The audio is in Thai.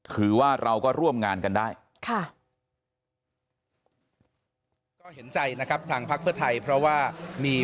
ถือว่าเราก็ร่วมงานกันได้ค่ะ